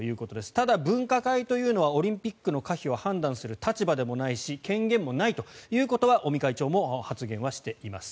ただ、分科会というのはオリンピックの可否を判断する立場でもないし権限もないということは尾身会長も発言はしています。